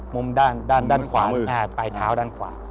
มุมข้างด้านขวาไปขาวขาว